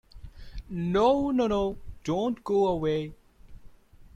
No, no, no, don't go away.